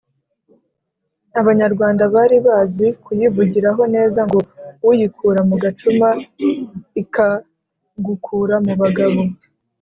abanyarwanda bari bazi kuyivugiraho neza ngo uyikura mu gacuma ikagukura mu bagabo